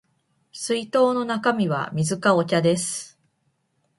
水筒の中身は水かお茶です